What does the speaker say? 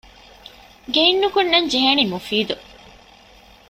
ގެއިން ނުކުންނަން ޖެހޭނީ މުފީދު